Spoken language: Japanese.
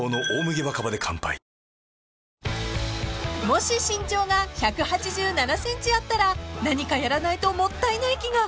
［もし身長が１８７ｃｍあったら何かやらないともったいない気が］